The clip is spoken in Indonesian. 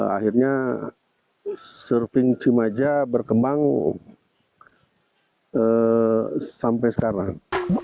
akhirnya surfing cimaja berkembang sampai sekarang